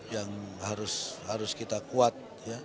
yang harus kita kuat